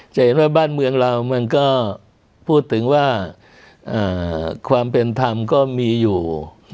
จะเห็นว่าบ้านเมืองเรามันก็พูดถึงว่าความเป็นธรรมก็มีอยู่